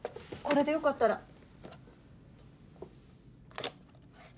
これでよかったら。